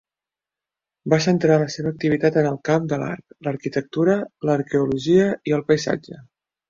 Va centrar la seva activitat en el camp de l'art, l'arquitectura, l'arqueologia i el paisatge.